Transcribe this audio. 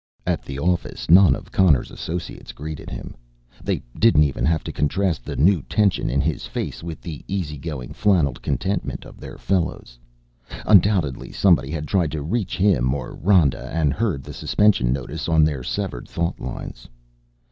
At the office none of Connor's associates greeted him. They didn't even have to contrast the new tension in his face with the easy going, flannelled contentment of their fellows. Undoubtedly somebody had tried to reach him or Rhoda and heard the Suspension Notice on their severed thought lines.